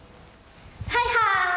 はいはい！